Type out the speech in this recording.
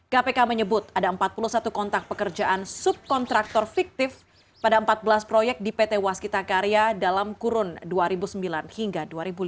kpk menyebut ada empat puluh satu kontak pekerjaan subkontraktor fiktif pada empat belas proyek di pt waskita karya dalam kurun dua ribu sembilan hingga dua ribu lima belas